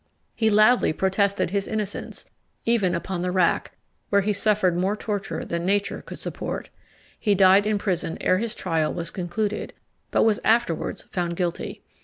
He loudly protested his innocence, even upon the rack, where he suffered more torture than nature could support. He died in prison ere his trial was concluded, but was afterwards found guilty.